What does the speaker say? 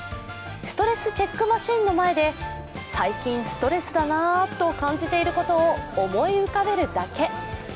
ストレスチェックマシンの前で最近ストレスだなと感じていることを思い浮かべるだけ。